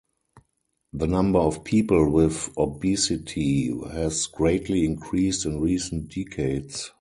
The number of people with obesity has greatly increased in recent decades.